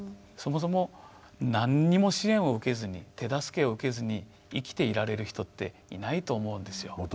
そもそも何にも支援を受けずに手助けを受けずに生きていられる人っていないと思うんですよ。